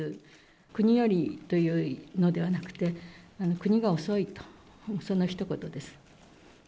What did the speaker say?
国よりというのではなくて、国が遅いと、そのひと言です。